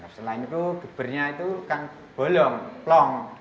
selain itu gebernya itu kan bolong plong